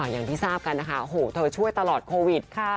อย่างที่ทราบกันนะคะโอ้โหเธอช่วยตลอดโควิด